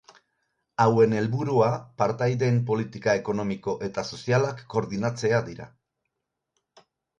Hauen helburua partaideen politika ekonomiko eta sozialak koordinatzea dira.